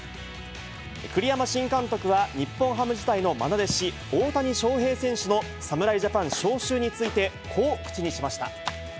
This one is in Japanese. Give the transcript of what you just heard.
栗山新監督は、日本ハム時代のまな弟子、大谷翔平選手の侍ジャパン招集について、こう口にしました。